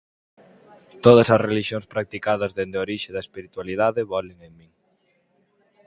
Todas as relixións practicadas dende a orixe da espiritualidade bolen en min.